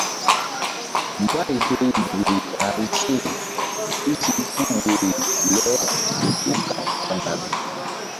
Mbay hew nzukri ɓahri se ku si puh woyri le kúkaɓ hɔndal.